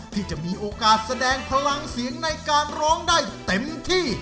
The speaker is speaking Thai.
ที่จะมีโอกาสแสดงพลังเสียงในการร้องได้เต็มที่